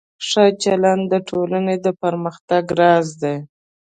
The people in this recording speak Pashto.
ښه چلند د ټولنې د پرمختګ راز دی.